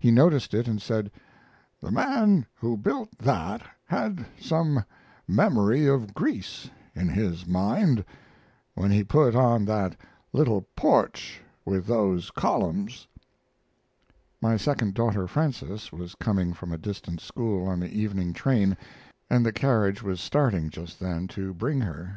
He noticed it and said: "The man who built that had some memory of Greece in his mind when he put on that little porch with those columns." My second daughter, Frances, was coming from a distant school on the evening train, and the carriage was starting just then to bring her.